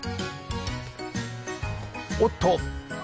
おっと！